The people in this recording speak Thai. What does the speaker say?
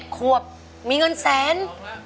๑๑ควบมีเงินแสน